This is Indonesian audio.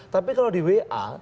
tapi kalau di wa